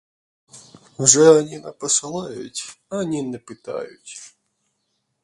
Вже ані не посилають, ані не питають.